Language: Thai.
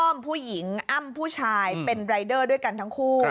ผู้หญิงอ้ำผู้ชายเป็นรายเดอร์ด้วยกันทั้งคู่